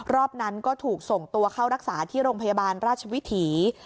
รอบนั้นก็ถูกส่งตัวเข้ารักษาที่โรงพยาบาลราชวิถี